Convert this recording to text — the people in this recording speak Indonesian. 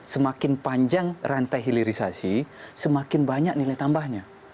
semakin panjang rantai hilirisasi semakin banyak nilai tambahnya